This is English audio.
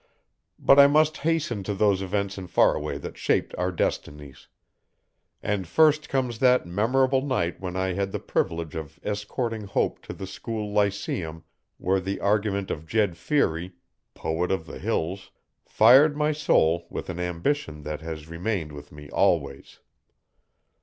But I must hasten to those events in Faraway that shaped our destinies. And first comes that memorable night when I had the privilege of escorting Hope to the school lyceum where the argument of Jed Feary poet of the hills fired my soul with an ambition that has remained with me always.